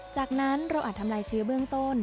จากนั้นเราอาจทำลายเชื้อเบื้องต้น